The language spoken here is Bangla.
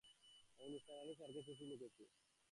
আমি নিসার আলি স্যারকে চিঠি লিখেছি।